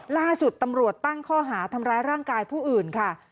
ล่าสุดตำรวจตั้งข้อหาทำร้ายร่างกายผู้อื่นค่ะ